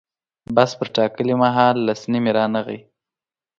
بس پر ټاکلي مهال لس نیمې رانغی.